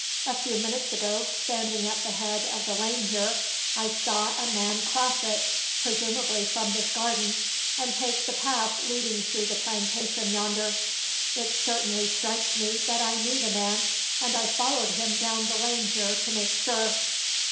A few minutes ago, standing at the head of the lane here, I saw a man cross it, presumably from this garden, and take the path leading through the plantation yonder. It certainly strikes me that I knew the man, and I followed him down the lane here to make sure.'